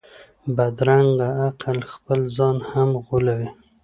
بدرنګه عقل خپل ځان هم غولوي